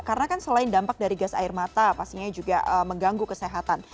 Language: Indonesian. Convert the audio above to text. karena kan selain dampak dari gas air mata pastinya juga mengganggu kesehatan